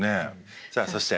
さあそして。